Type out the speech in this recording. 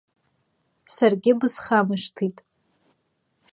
Саргьы бысхамышҭит.